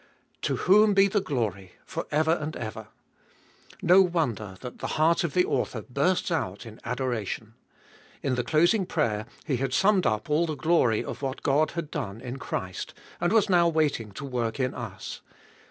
To whom be the glory for ever and ever. No wonder that the heart of the author bursts out in adoration. In the closing prayer he had summed up all the glory of what God had done in Christ, and was now waiting to work in us.